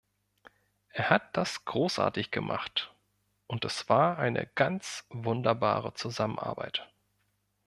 Er hat das großartig gemacht, und es war eine ganz wunderbare Zusammenarbeit!